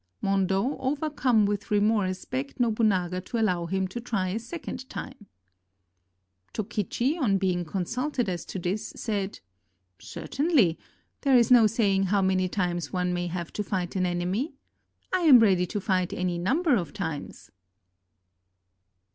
Hondo, overcome with remorse, begged Nobunaga to allow him to try a second time. Tokichi, on being consulted as to this, said: "Cer tainly; there is no saying how many times one may have to fight an enemy. I am ready to fight any number of times."